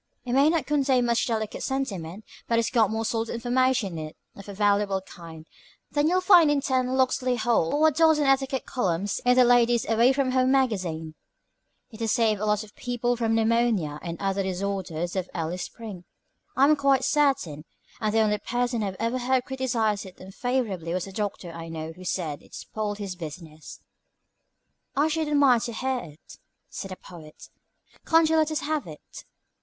It may not contain much delicate sentiment, but it's got more solid information in it of a valuable kind than you'll find in ten 'Locksley Halls' or a dozen Etiquette Columns in the Lady's Away From Home Magazine. It has saved a lot of people from pneumonia and other disorders of early spring, I am quite certain, and the only person I ever heard criticise it unfavorably was a doctor I know who said it spoiled his business." "I should admire to hear it," said the Poet. "Can't you let us have it?"